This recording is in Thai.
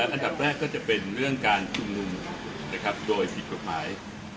อันดับแรกก็จะเป็นเรื่องการชุมนุมโดยผิดกฎหมาย